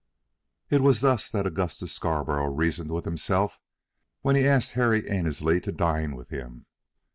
It was thus that Augustus Scarborough reasoned with himself when he asked Harry Annesley to dine with him.